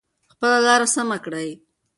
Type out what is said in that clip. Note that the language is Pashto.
خپله لاره سمه کړئ.